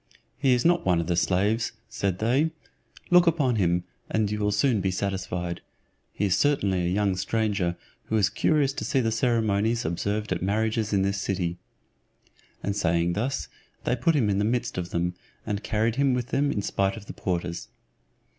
"He is not one of the slaves'" said they; "look upon him, and you will soon be satisfied. He is certainly a young stranger, who is curious to see the ceremonies observed at marriages in this city;" and saying thus, they put him in the midst of them, and carried him with them in spite of the porters.